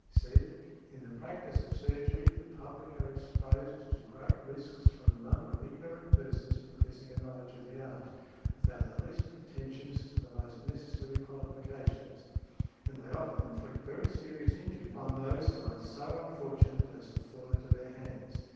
said; "In the practice of surgery, the public are exposed to great risks from the number of ignorant persons professing a knowledge of the art, without the least pretensions to the most necessary qualifications, and they often inflict very serious injury on those who are so unfortunate as to fall into their hands.